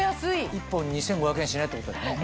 １本２５００円しないってことだよね。